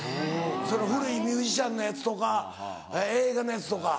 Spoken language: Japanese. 古いミュージシャンのやつとか映画のやつとか。